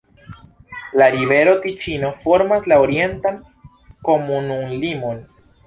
La rivero Tiĉino formas la orientan komunumlimon.